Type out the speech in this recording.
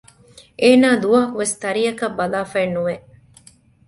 އޭނާ ދުވަހަކު ވެސް ތަރިއަކަށް ބަލާފައެއް ނުވެ